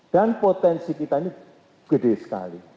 dan potensi kita ini gede sekali